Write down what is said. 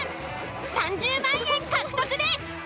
３０万円獲得です。